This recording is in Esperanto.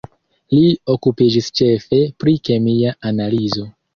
Li okupiĝis ĉefe pri kemia analizo.